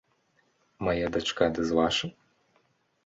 Мая дачка ды з вашым?